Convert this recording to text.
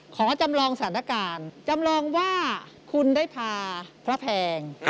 ขอจำลองสถานการณ์